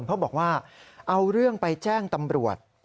เขาบอกว่าเอาเรื่องไปแจ้งตำรวจ